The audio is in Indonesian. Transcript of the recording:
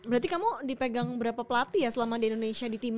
berarti kamu dipegang berapa pelatih ya selama di indonesia di tim